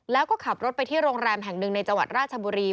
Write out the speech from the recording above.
แล้วก็ขับรถไปที่โรงแรมแห่งหนึ่งในจังหวัดราชบุรี